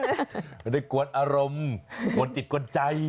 ไม่ได้กวนอารมณ์ปล่อยติดกวนใจ